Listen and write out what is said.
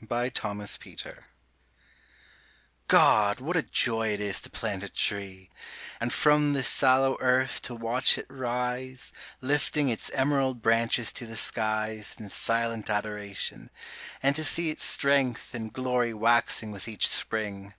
GO PLANT A TREE God, what a joy it is to plant a tree, And from the sallow earth to watch it rise, Lifting its emerald branches to the skies In silent adoration; and to see Its strength and glory waxing with each spring.